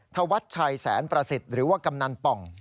ธวัชชัยแสนประสิทธิ์หรือว่ากำนันป่อง